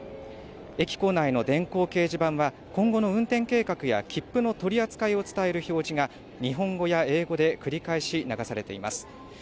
駅構内の電光掲示板は今後の運転計画や切符の取り扱いを伝える表示が日本語や英語で繰り返し流されています。